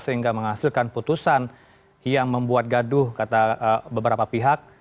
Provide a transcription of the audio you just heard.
sehingga menghasilkan putusan yang membuat gaduh kata beberapa pihak